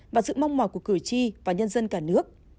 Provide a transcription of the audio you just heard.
và sự mong mỏi của cử tri và nhân dân cả nước